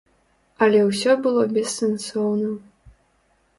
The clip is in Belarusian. Але ўсё было бессэнсоўна.